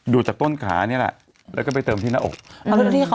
จากต้นขานี่แหละแล้วก็ไปเติมที่หน้าอก